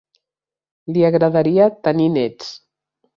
Li agradaria tenir nets.